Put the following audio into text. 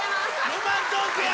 ロマントークや。